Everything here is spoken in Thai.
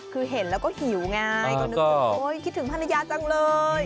คือเห็นแล้วก็หิวไงก็นึกถึงโอ๊ยคิดถึงภรรยาจังเลย